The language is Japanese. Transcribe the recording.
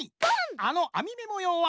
あのあみめもようは。